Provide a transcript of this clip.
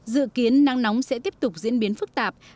dự kiến nắng nóng sẽ tiếp tục diễn biến phức tạp